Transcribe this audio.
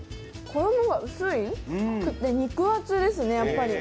衣が薄くて肉厚ですね。